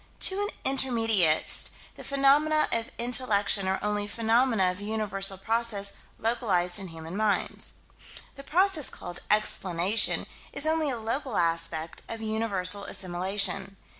To an intermediatist, the phenomena of intellection are only phenomena of universal process localized in human minds. The process called "explanation" is only a local aspect of universal assimilation.